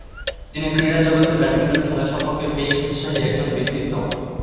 তিনি ক্রীড়া জগতে ব্যাডমিন্টন খেলা সম্পর্কে বেশ উৎসাহী একজন ব্যক্তিত্ব।